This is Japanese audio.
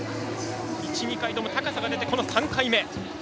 １２回とも高さが出てこの３回目。